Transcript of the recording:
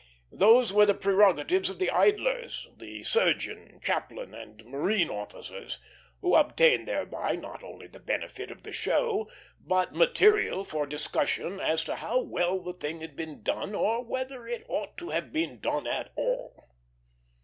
Those were the prerogatives of the idlers the surgeon, chaplain, and marine officers who obtained thereby not only the benefit of the show, but material for discussion as to how well the thing had been done, or whether it ought to have been done at all.